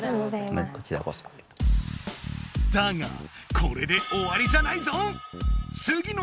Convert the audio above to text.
だがこれで終わりじゃないぞ！